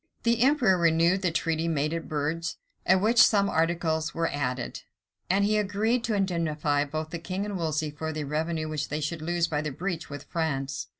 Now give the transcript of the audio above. The emperor renewed the treaty made at Bruges, to which some articles were added; and he agreed to indemnify both the king and Wolsey for the revenue which they should lose by a breach with France.